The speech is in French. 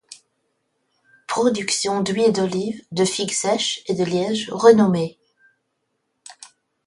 Production d'huile d'olive, de figues sèches et de liège renommés.